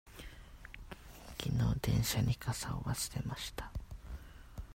きのう電車に傘を忘れました。